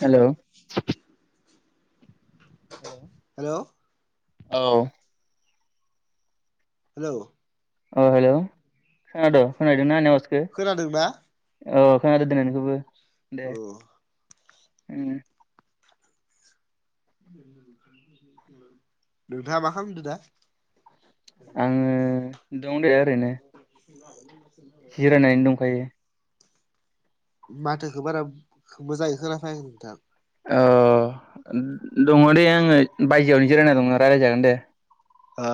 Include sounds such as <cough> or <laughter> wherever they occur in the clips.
Hello hello. Hello औ। Hello. अ hello खोनादो खोना हैदों ना आंनि आवास खोनादों ना? अ खोनादोंदे नोंनिखोबो औ हम नोंथाङा मा खालामदोंदा? आङो दङ नै ओरैनो <unintelligible> जिरायनानै दंखायो माथोखौ बारा मोजाङै खोनाफैयाखै नोंथां अ दङ दे आङो बायजोआवनो जिरायना दङ रायलायजागोन दे। ओ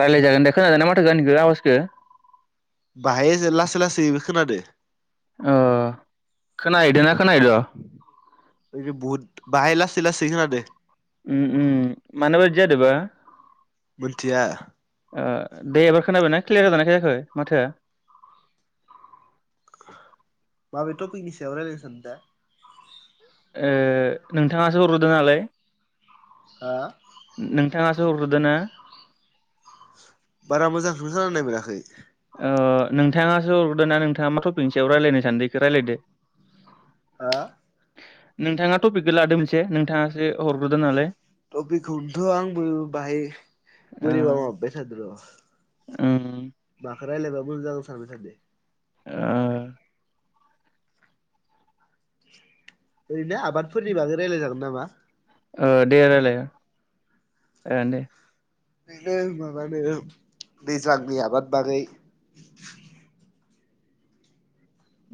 रायज्लाय जागोन दे खोनादोंना माथो आंनिखौ आवाजखौ? बाहाय लासै लासैबो खोनादो अ खोनाहैदो ना खोनायोैद' बहुद बाहाय लासै लासै खोनादों उम उम मानोबा बिदि जादोबा। मिथिया दे एबार खोनाबायना क्लियार जानाय खायाखै माथोआ। माबायथ' थफिख नि सायाव रायलायनो सानदों? ओ नोंथाङासो ह'ग्रोदो नालाय हा नोंथाङा सो हरग्रोदो ना बारा मोजांखो खोनानाय मोनाखै। ओ नोंथाङासो हरदो ना नोंथाङा मा टपिकनि सायाव रायज्लायनो सानदोंखौ रायलायदो। हा नोंथाङा टपिकखौ लादो मोनस टपिखन्थ' आंबो बाहाय बोरैबा माबाबाय थादों र' ओम माखो रायलायबा मोजां जागोन सानबाय थादो। ओ ओरैनो आबादफोरनि बागै रायजलाय जागोन नामा? ओ दे रायलाय ओन दे ओंदे माबानो दैज्लांनि आबाद बागै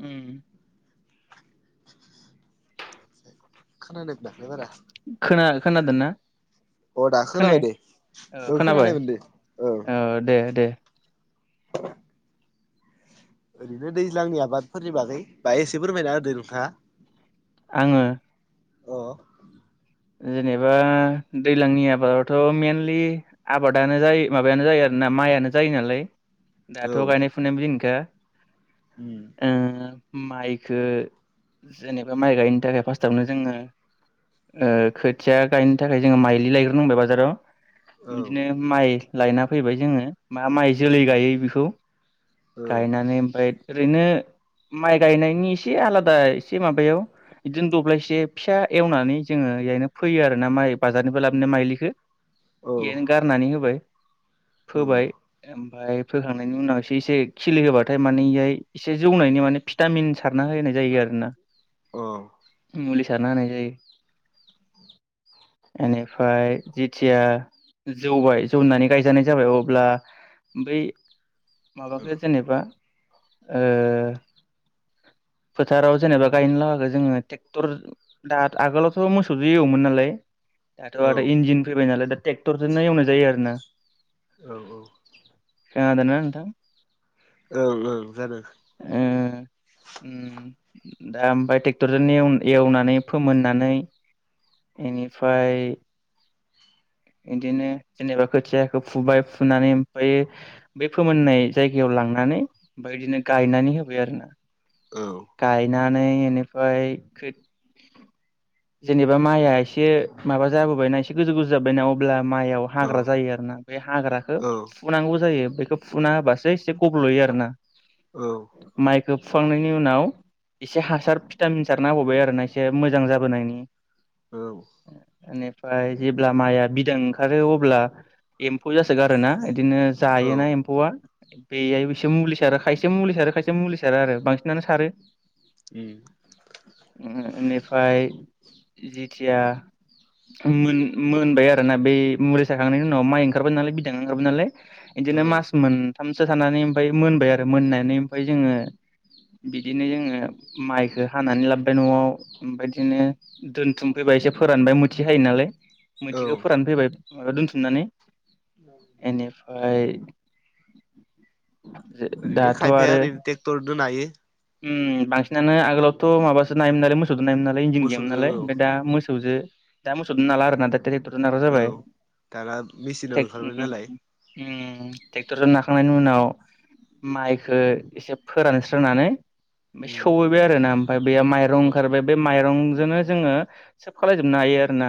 उम खोनादों खोना खोनादोना अ दा खोने खोनाबाय दे औ अ'खोनाबाय खोनानायमोन दे औ अ' दे दे <unintelligible> ओरैनो दैज्लांनि आबादफोरनि बागै बाहाय एसे फोरमायना होदो नोंथाङा। आङो अ जेनेबा दैलांनि आबादावथ' मेनलि आबादानो जायो माबायानो जायो आरोना माइआनो जायो नालाय। दाथ' औ गायनाय फुनायनिबो दिनखा उम ओ माइखो जेनेबा माइ गायनो थाखाय फार्स्टावनो जोंङो ओ खोथिया गायनो थाखाय जोंङो माइलि लायग्रो नांबाय बाजाराव औ बिदिनो माइ लायना फैबाय जोंङो मा माइ जोलै गायो बिखौ ओं गायनानै ओमफाय ओरैनो माइ गायनायनि एसे आलादा एसे माबायाव एदिनो दब्लायसे फिसा एवनानै जोंङो एहायनो फोयो आरोना माइ बाजारनिफ्राय लाबोनो माइलिखो औ एहायनो गारनानै होबाय औ फोबाय ओम ओमफाय फोखांनायनि उनाव एसे एसे खिलि होबाथाय माने एहाय एसे जौनायनि माने भिटामिन सारना होनाय जायो आरोना। औ मुलि सारना होननाय जायो एनिफाय जेथिया जौबाय जौनानै गायजानाय जाबाय अब्ला बै माबाखो जेनेबा ओ फोथाराव जेनेबा गायनो लागाखो जोंङो ट्रेक्टर दात आगोलाव थ मोसौजों एवोमोन नालाय दाथ' औ आदा इनजिन फैबाय नालाय देत ट्रेक्टरजोंनो एवनाय जायो आरो ना औ औ खोनादोना नोंथां ओं ओं जानो <inaudible> ओ उम दा ओमफाय ट्रेक्टरजोंव एवनानै फोमोननानै एनिफाय एदिनो जेनेबा खोथियाखौ फुबाय फुनानै ओमफायो बे फोमोननाय जायगायाव लांनानै ओमफाय एदिनो गायनानै होबाय आरो ना। औ गायना नै एनिफाय खोट जेनेबा माइआ एसे माबा जाबोबायना एसे गोजौ गोजौ जाबोबायना अब्ला माइआव औ हाग्रा जायो आरो ना बे हाग्राखो औ फुनांगौ जायो। बेखौ फुना होबासो एसे गब्लयो आरो ना औ फुखांनायनि उनाव एसे हासार भिटामिन सारना होबावबाय आरो ना एसे मोजां जाब बोनायनि औ बेनिफ्राय जेब्ला माइआ बिदां ओंखारो अब्ला एम्फौ जासोगार ना। बिदिनो औ जायोना एम्फौआ। बेहायबोसो मुलि सारो खायसे मुलि सारो खायसे मुलि सारो आरो बांसिनानो सारो। <inaudible> उम ओ नेफाय जेथिया मोन मोनबाय आरो ना बै मुलि साखांनायनि उनाव माइ ओंखारबाय नालाय बिदां ओंखारबाय नालाय। औ इदिनो मास मोन थामसो थानानै ओमफ्राय मोनबाय आरो मोननानै ओमफ्फ्राय जोङो बिदिनो जोङो माइखो हानानै लाबोबाय न'आव ओमफ्राय बिदिनो दोनथुमफैबाय एसे फोरानबाय मुथिहायो नालाय। औ मुथिखौ फोरान फैबाय। ओ दोनथुमनानै एनिफ्राय ओरैनो दाथ' खायफाया आरो ओरैनो टेक्टरजों नायो। उम बांसिनानो आगोलावथ' माबासो नायोमोन मो सुदनाय नालाय इन्जन गयोमोन मोसौजों नालाय औ ओमफ्राय दा मो खौ जे दा मोसौजों नाला आरो नाथाय दा ट्रेकटरजों औ जाबाय। दाना मेचिनाव टेक उम ओंखारबाय उम। नालाय उम ट्रेक्टर ज नाखांनायनि उनाव माइखो एसे फोरानस्रोनानै उम सौहैबाय आरोना ओमफाय बे माइरं औ ओंखारबाय बे माइरं जोनो जोङो सोब खालायजोबनो हायो आरोना।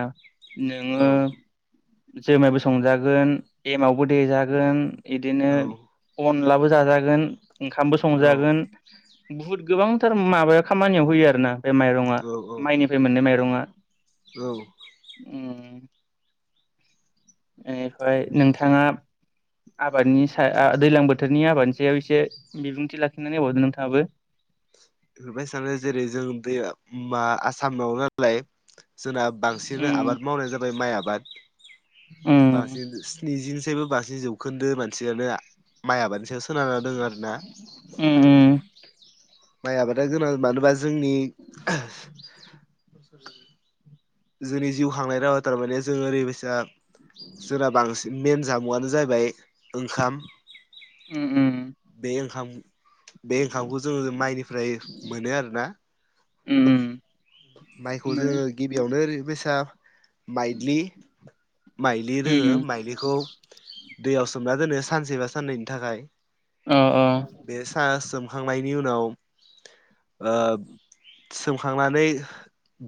नोङो औ जोमायबो संजागोन एमावबो देजागोन। बिदिनो अन लाबो जाजागोन। ओंखामबो औ संजागोन। बुहुद गोबांथार माबायाव खामानियाव होयो आ रोना बे माइरंआ औ माइनिफ्राय मोनै माइरंआ। <inaudible> औ। बेनिफ्राय नोंथाङा आबादनि सायाव दैलां बोथोरनि आबादनि सायाव एसे बिबुंथि लाखिनानै होबावदों नोंथाङाबो। नुबाय थानाय जेरै जों दै आसामाव नालाय जोंना बांसिन बे आबाद मावनायानो जाबाय माइ आबाद। बोथोराव बांसिन स्निजिनिसोनि बांसिन जौखोन्दो मानसियानो माइ आबादनि सायाव सोनारा दों आरो ना। माइ आबादा गोनां मानोबा जोंनि जोंनि जिउ खांनाय रावाव थार माने जों ओरै बायसा जोना बांसिन मेन जामुआनो जाहायबाय ओंखाम। उम उम। बे ओंखाम बे ओंखामखौ जोङो माइनिफ्राय मोनो आरोना। माइखौ जोंङो गिबियावनो ओरै फैसा। माइग्लि माइलि दङो माइलिखौ दैयाव सोमना दोनो सानसे बा साननैनि थाखाय। बे सा सोम खांनायनि उनाव ओ सोमखांनानै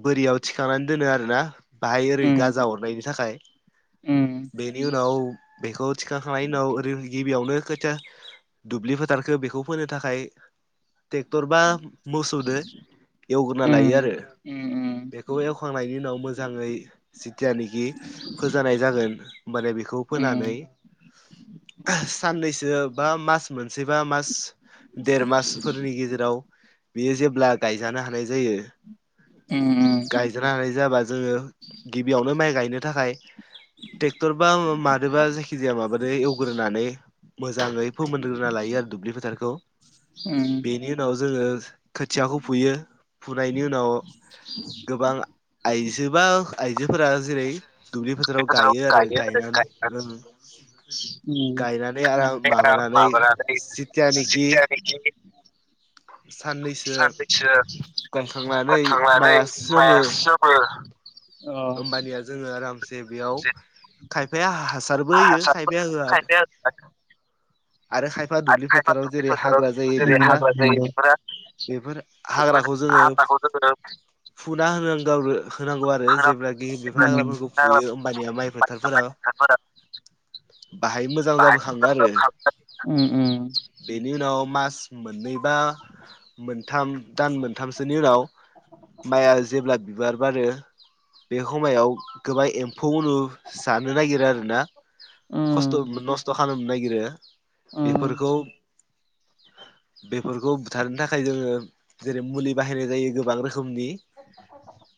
बोरियाव थिखांनानै दोनो आरोना। बाहाय ओरै गाजा हरनायनि थाखाय बेनि उनाव बेखौ थिखां खांनायनि उनाव ओरै गिबियावनो खोथिया दुब्लि फोथारखौ बेखौ फो थाखाय ट्रेक्टर बा मोसौ एवग्रोना लायो आरो बेखौ एवखांनायनि उनाव मोजांङै जिथियानखि फोजानाय जागोन होमबाना बेखौ फोनानै साननैसो बा मास मोनसेबा मास देर मासफोरनि गेजेराव बियो जेब्ला। गायजानो हानाय जायो। गायजानो हानाय जाबा जोंङो गिबियावनो माइ गाय नो थाखाय ट्रेक्टर बा माजोंबा जायखि जाया माबाजों एवग्रोनानै मोजाङै फोमोनग्रोना लायो आरो दुब्लि फोथारखौ बेनि उनाव जोंङो खोथियाखौ फुयो फुनायनि उनाव गोबां आइजो बा आइजो फोरा जेरै दुब्लि फोथाराव गायो आरो गायनानै गायनानै आराम माबानानै जितियानाखि जिथियानोखि साननैसो गायखांनानै माइआ सोमो <unintelligible> होमबानिया जोंङो आराम दे बेयाव खायफाया हा <unintelligible> आरो खायफा दुब्लि खायफा फोथाराव दुब्लि जेरै फोथाराव हाग्रा जायो जेरै बेफोरो हाग्रा जायो बेफोरा बेफोर बेफोर हाग्राखौ जोंङो हाग्राखौ जोङो फुना होनांगौ होनांगौ आरो होना जेब्ला गिबि उम बेफोर हाग्राफोरखौ फुयो उम होमबानिया माइ फोथारफोरा बाहाय मोजां जाबोखाङो आरो। उ उ बेनि उनाव मास मोननै बा मोनथाम दान मोनथामसोनि उनाव माइआ जेब्ला बिबार बारो बे खमायाव गोबां एम्फौ जानो नागिरो आरोना खस्थ' नस्थ' खालामनो नागिरो उम बेफोरखौ बेफोरखौ बुथारनो थाखा खाय जोङो जेरै मुलि बाहायनाय जायो गोबां रोखो मनि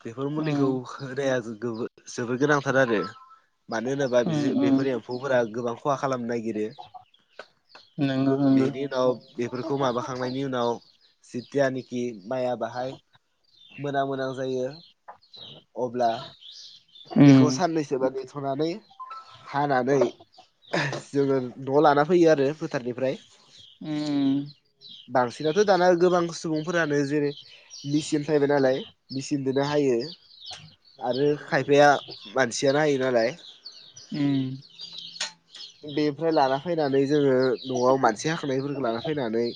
बेफोर उम मुलिखौ होनाया जो जोबो सि जोबोर गोनांथार आरो मानो होनोबा बि उम बेफोर उम एम्फौफोरा गोबां खहा खालामनो नागिरो। नोंगौ नोंगौ बेनि उनाव बेफोरखौ माबाखांनायनि उनाव <unintelligible> जायानिखि माइआ बाहाय मोना मोनां जायो अब्ला बेखौ उम साननैसोबा सुनानै हानानै जोङो न'आव लाना फैयो आरो फोथारनिफ्राय उम बांसिनाथ' दाना गोबां सुबुंफोरानो जेरै मेचिन फैबाय नालाय मेचिन दोनो हायो आरो खायफाया मानसियानो हायो नालाय उम बेनिफ्राय लाना फायनानै जोङो न'आव मानसि हाखांनायफोरखौ लाना फायनानै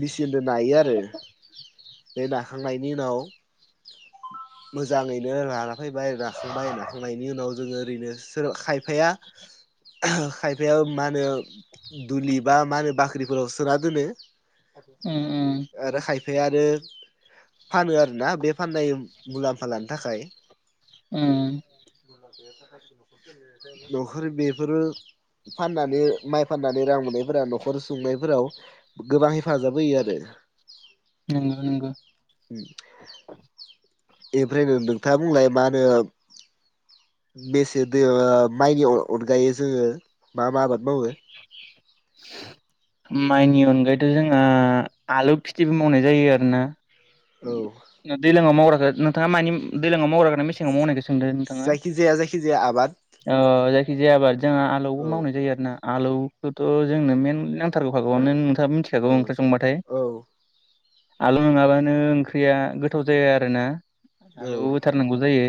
मेचिनजों नायो आरो बे नाखांनायनि उनाव मोजाङैनो रा फैबाय राखांबाय नाखांनायनि उनाव जोङो ओरैनो सोरबा खायफाया <inaudible> खायफाया मा नो दुलि बा मा होनो बाख्रिफोराव सोना दोनो। उम आरो खाय ओमफ्राय आरो फानो आरो ना बे फाननाय मुलाम्फा लानो थाखाय। उम <inaudible> <unintelligible> न'खर बेफोरो फाननानै माइ फाननानै रां मोननायफोरा न'खर सुंनायफोराव गोबां हेफाजाब होयो आरो। नोंगौ नोंगो इनिफ्रायनो नोंथाङा बुंलाय मा होनो बेसे दो माइनि अनगायै जोङो मा मा आबाद मावो। माइनि अनगायैथ' जोंहा आलु खिथिबो मावनाय जायो आरोना। औ न दैलांआव मावग्रा जाद नोंथाङा मानि उम दैलाङाव मावग्रा ना मेसेङाव मावनायखो सोंदो नोंथाङा जायखिजाया जायखिजाया आबाद ओ जायखि जाया आबाद जोंहा आलौबो औ मावनाय जायो आरोना आलौ थ' जोंनो मेन नांथारगौ खागौ नों नोंथाङा मिथिखागौ औ ओंख्रि संबाथाय। औ आलु नङाबानो ओंख्रिया गोथाव जाया आरो ना। औ आलौ होथारनांगौ जायो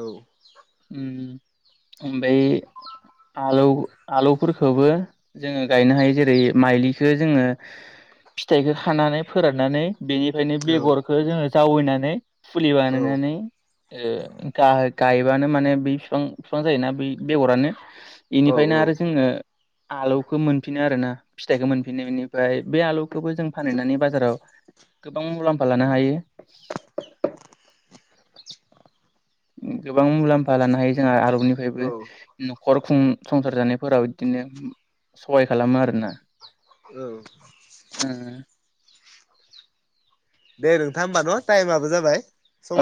औ उम ओमबै आलौ आलौफोरखौबो जोङो गायनो हायो जेरै माइलिखो जोङो फिथाइखो खानानै फोराननानै बेनिखायनो औ बेगरखो जोङो जावैनानै फुलि बानायनानै ओ‌ गा-गायबानो माने बै फिफां फिफां जायोना बै बेगरानो। औ बेनिफ्रायनो आरो जोङो आलौखौ मोनफिनो आरोना फिथाइखौ मोनफिनो बेनिफाय बे आलौखौबो जों फानहैनानै बाजाराव गोबां मुलाम्फा लानो हायो। गोबां मुलाम्फा लानो हायो जोंहा आलौ निफ्रायबो औ न खर खुं संसार जानायफोराव इदिनो सहाय खालामो आरोना। औ दे नोंथां होमबा न' टाइमाबो जाबाय।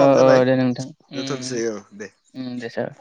ओ ओ जाबाय दे नोंथां उम दोनथ'नोसै औ दे उम उम दे सार।